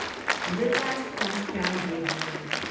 And at last Pascal gave way.